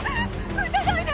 撃たないで！